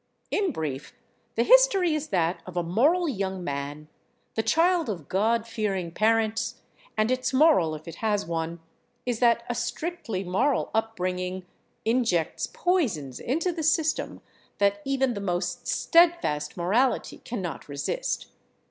In brief, the history is that of a moral young man, the child of God fearing parents, and its moral, if it has one, is that a strictly moral upbringing injects poisons into the system that even the most steadfast morality cannot resist.